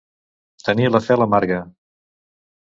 Tenir la fel amarga.